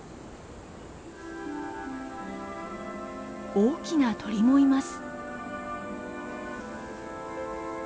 大きな鳥もいます。